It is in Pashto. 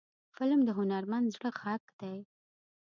فلم د هنرمند زړه غږ دی